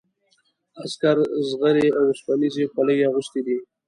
عسکرو زغرې او اوسپنیزې خولۍ اغوستي دي.